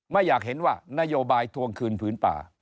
ไม่อยากเห็นว่านโยบายทวงคืนผืนป่า